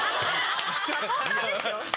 サポーターですよ。